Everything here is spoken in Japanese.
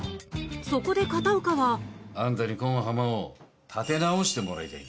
そこで片岡はあんたにこん浜を立て直してもらいたいんよ。